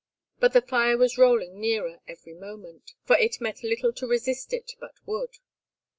But the fire was rolling nearer every moment, for it met little to resist it but wood.